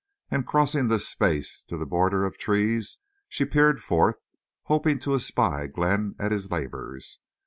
And crossing this space to the border of trees she peered forth, hoping to espy Glenn at his labors.